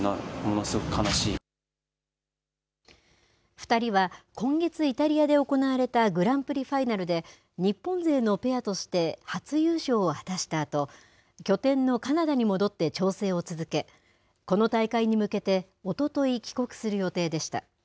２人は今月、イタリアで行われたグランプリファイナルで、日本勢のペアとして初優勝を果たしたあと、拠点のカナダに戻って調整を続け、この大会に向けておととい、帰国する予定でした。